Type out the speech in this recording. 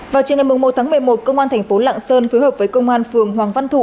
vào chiều ngày một tháng một mươi một cơ quan thành phố lạng sơn phối hợp với cơ quan phường hoàng văn thụ